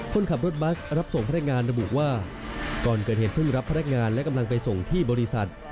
คนขับรถบัสรับส่งพนักงานระบุว่าก่อนเกิดเหตุเพิ่งรับพนักงานและกำลังไปส่งที่บริษัท